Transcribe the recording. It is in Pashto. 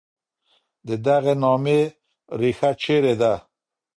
د دغي نامې ریښه چېري ده؟